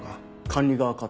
「管理側か？」